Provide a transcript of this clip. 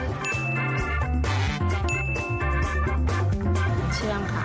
น้ำเชื่อมค่ะ